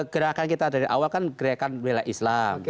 gerakan kita dari awal kan gerakan bela islam